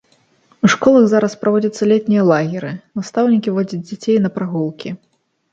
У школах зараз праводзяцца летнія лагеры, настаўнікі водзяць дзяцей на прагулкі.